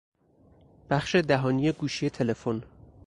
بخش دهانی گوشی تلفن